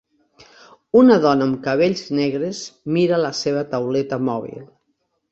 Una dona amb cabells negres mira la seva tauleta mòbil.